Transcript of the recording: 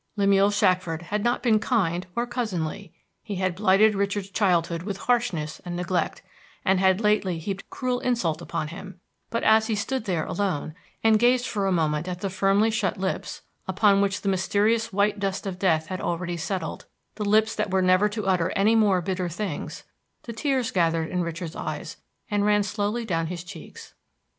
Lemuel Shackford had not been kind or cousinly; he had blighted Richard's childhood with harshness and neglect, and had lately heaped cruel insult upon him; but as he stood there alone, and gazed for a moment at the firmly shut lips, upon which the mysterious white dust of death had already settled, the lips that were never to utter any more bitter things, the tears gathered in Richard's eyes and ran slowly down his cheeks.